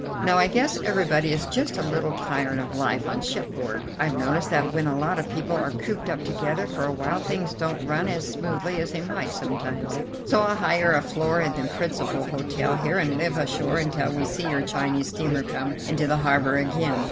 Now I guess everybody is just a little tired of life on shipboard. I've noticed that when a lot of people are cooped up together for a while things don't run on as smoothly as they might sometimes, so I'll hire a floor in the principal hotel here and live ashore until we see your Chinese steamer come into the harbour again.